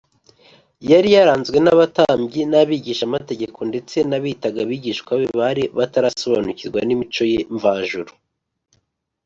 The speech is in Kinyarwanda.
. Yari yaranzwe n’abatambyi n’abigishamategeko, ndetse n’abiyitaga abigishwa be bari batarasobanukirwa n’imico ye mvajuru